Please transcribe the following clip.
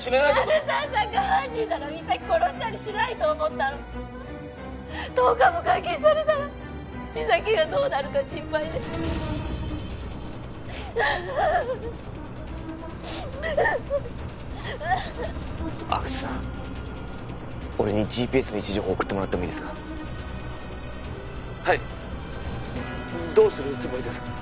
鳴沢さんが犯人なら実咲殺したりしないと思ったの☎１０日も監禁されたら実咲がどうなるか心配で阿久津さん俺にＧＰＳの位置情報送ってもらってもいいですか☎はいどうするつもりですか？